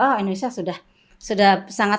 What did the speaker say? oh indonesia sudah sangat